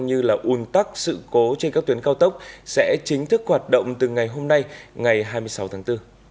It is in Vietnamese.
như là un tắc sự cố trên các tuyến cao tốc sẽ chính thức hoạt động từ ngày hôm nay ngày hai mươi sáu tháng bốn